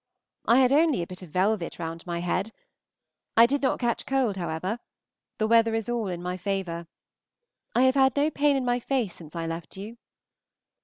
I had only a bit of velvet round my head. I did not catch cold, however. The weather is all in my favor. I have had no pain in my face since I left you.